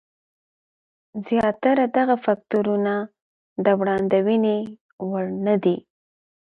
زیاتره دغه فکټورونه د وړاندوینې وړ نه دي.